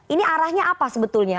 ini arahnya apa sebetulnya